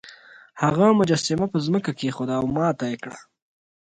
هغه مجسمه په ځمکه کیښوده او ماته یې کړه.